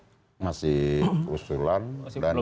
karena prosesnya masih panjang